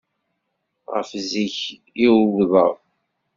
Ɣef zik i d-wwḍeɣ?